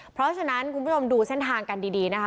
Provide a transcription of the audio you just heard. เพราะฉะนั้นคุณผู้ชมดูเส้นทางกันดีนะคะ